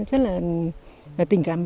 rất là tình cảm